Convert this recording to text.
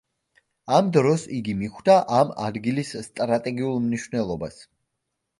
ამ დროს იგი მიხვდა ამ ადგილის სტრატეგიულ მნიშვნელობას.